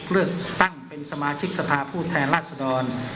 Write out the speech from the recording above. เลือกตั้งเป็นสมาชิกสภาพผู้แทนราชดร